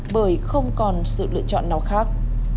bởi không còn sự lựa chọn nào khác